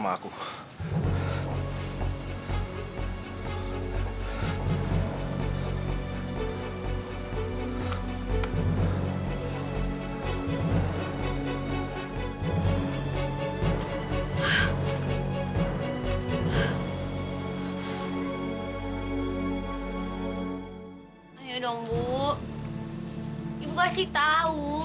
ibu kasih tau